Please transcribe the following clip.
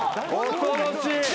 恐ろしい。